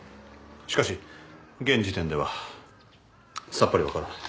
しかし現時点ではさっぱり分からない。